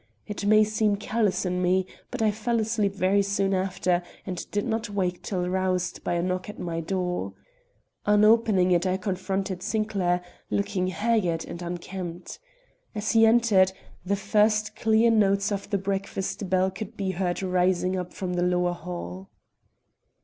It may seem callous in me, but I fell asleep very soon after, and did not wake till roused by a knock at my door. On opening it I confronted Sinclair, looking haggard and unkempt. As he entered, the first clear notes of the breakfast bell could be heard rising up from the lower hall.